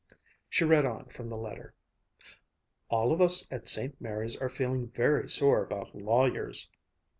She read on from the letter: "'All of us at St. Mary's are feeling very sore about lawyers.